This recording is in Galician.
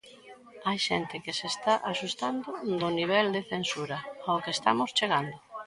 Hai xente que se está asustando do nivel de censura ao que estamos chegando.